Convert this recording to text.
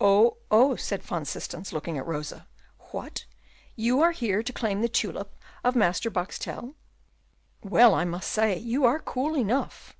"Oh! oh!" said Van Systens, looking at Rosa. "What! you are here to claim the tulip of Master Boxtel? Well, I must say, you are cool enough."